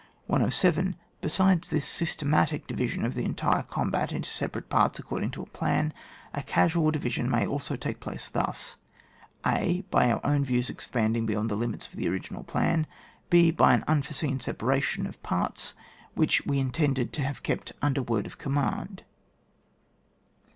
107. Besides this systematic division of the entire combat into separate parts according to plan, a casual division may also take place thus :— (0) By our views expanding beyond the Umits of the original plan. (h) By an unforeseen separation of parts, which we intended to have kept under word of command.